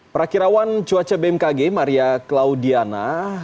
perakirawan cuaca bmkg maria claudiana